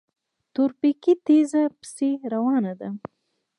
تورپيکۍ تېزه پسې روانه وه.